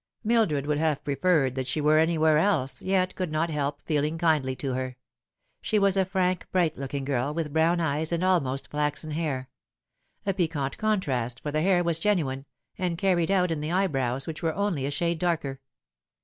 Mildred would have much preferred that she were anywhere else, yet could not help feeling kindly to her. She was a frank, bright looking girl, with brown eyes and almost flaxen hair ; a piquant contrast, for the hair was genuine, and carried out in the eyebrows, which were only a shade darker.